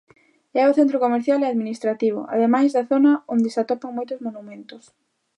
É o centro comercial e administrativo, ademais da zona onde se atopan moitos monumentos.